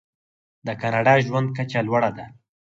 د کاناډا ژوند کچه لوړه ده.